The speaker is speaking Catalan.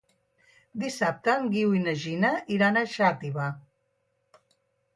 Dissabte en Guiu i na Gina iran a Xàtiva.